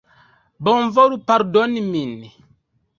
Bonvolu pardoni min!